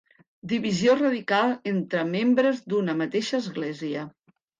Divisió radical entre membres d'una mateixa església.